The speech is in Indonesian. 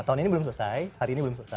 tahun ini belum selesai hari ini belum selesai